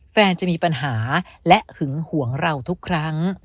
แฟนจะมีปัญหาและหึงห่วงเราทุกครั้ง